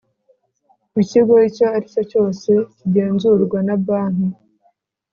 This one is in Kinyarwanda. Ikigo icyo ari cyo cyose kigenzurwa na Banki